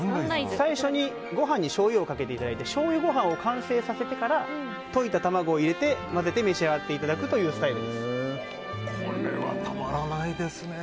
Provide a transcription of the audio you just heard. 最初に、ご飯にしょうゆをかけていただいてしょうゆご飯を完成させてから溶いた卵を入れて、混ぜて召し上がっていただくというこれはたまらないですね。